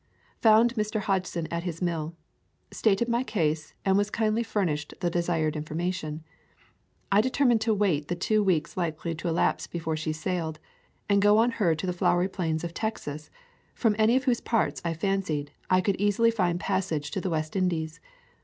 Found Mr. Hodgson at his mill. Stated my case, and was kindly furnished the desired in formation. I determined to wait the two weeks likely to elapse before she sailed, and go on her to the flowery plains of Texas, from any of whose ports, I fancied, I could easily find pas sage to the West Indies.